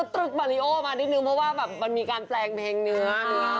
ต้องตุลุทมะริโอมานิดนึงเพราะว่ามันมีการแปลงเพลงเครื่อง